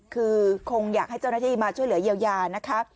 คือคงอยากให้เจ้าหน้าที่มาช่วยเหลือเยียวยานะคะ